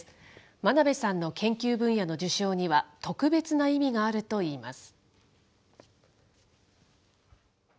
真鍋さんの研究分野の受賞には特別な意味があるといいます。